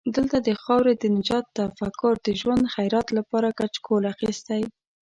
دلته د خاورې د نجات تفکر د ژوند خیرات لپاره کچکول اخستی.